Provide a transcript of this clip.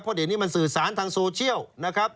เพราะเดี๋ยวนี้มันสื่อสารทางโซเชียลนะครับ